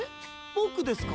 ボクですか？